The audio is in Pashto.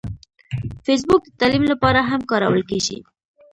فېسبوک د تعلیم لپاره هم کارول کېږي